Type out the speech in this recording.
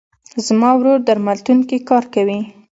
زما ورور درملتون کې کار کوي.